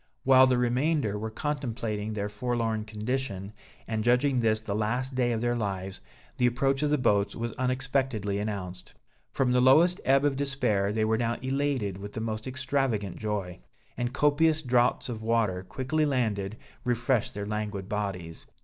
While the remainder were contemplating their forlorn condition, and judging this the last day of their lives, the approach of the boats was unexpectedly announced. From the lowest ebb of despair, they were now elated with the most extravagant joy; and copious draughts of water, quickly landed, refreshed their languid bodies.